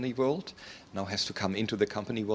sekarang harus masuk ke dunia perusahaan